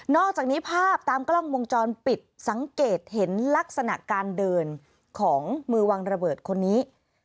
อกจากนี้ภาพตามกล้องวงจรปิดสังเกตเห็นลักษณะการเดินของมือวางระเบิดคนนี้